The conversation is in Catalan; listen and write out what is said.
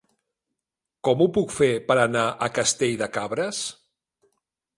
Com ho puc fer per anar a Castell de Cabres?